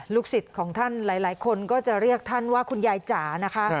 สิทธิ์ของท่านหลายคนก็จะเรียกท่านว่าคุณยายจ๋านะคะ